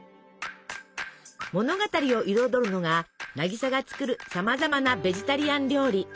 物語を彩るのが渚が作るさまざまなベジタリアン料理。